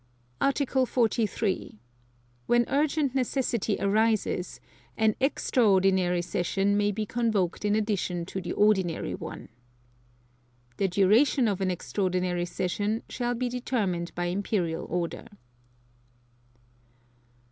Article 43. When urgent necessity arises, an extraordinary session may be convoked in addition to the ordinary one. (2) The duration of an extraordinary session shall be determined by Imperial Order.